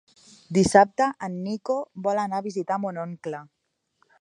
Dissabte en Nico vol anar a visitar mon oncle.